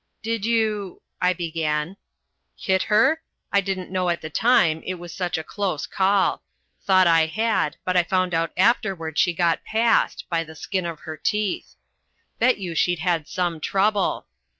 "Did you " I began. "Hit her? I didn't know at the time, it was such a close call. Thought I had, but I found out afterward she got past by the skin of her teeth. Bet you she'd had some trouble.